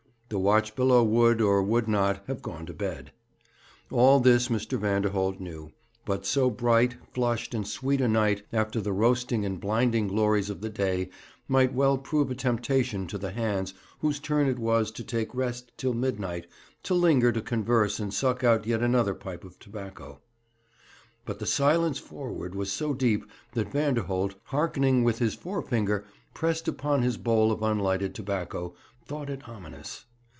The watch below would, or would not, have gone to bed. All this Mr. Vanderholt knew; but so bright, flushed, and sweet a night, after the roasting and blinding glories of the day, might well prove a temptation to the hands whose turn it was to take rest till midnight to linger to converse and suck out yet another pipe of tobacco. But the silence forward was so deep that Vanderholt, hearkening with his forefinger pressed upon his bowl of unlighted tobacco, thought it ominous.